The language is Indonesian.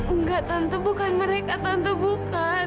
enggak tentu bukan mereka tante bukan